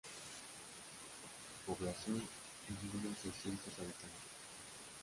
Su población es de unos seiscientos habitantes.